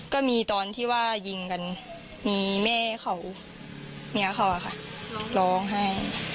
ก็มีตอนที่ยิงกันครั้งนี้เม่เขามีเมียเขาค่ะร้องไห้